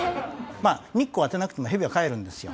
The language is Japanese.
まあ日光当てなくてもヘビは飼えるんですよ。